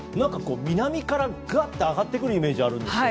南からガッと上がってくるイメージがあるんですけど。